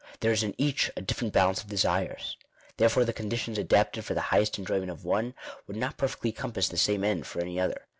There is in each a different balance of desires. Therefore the conditions adapted fur the highest enjoyment of one, would not perfectly compass the same end for any other.